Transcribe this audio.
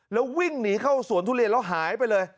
แล้ววิ่งหนีเข้าสวนทุเรียนแล้วหายไปเลย